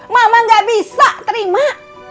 mama nggak bisa terima